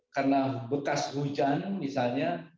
karena bekas hujan misalnya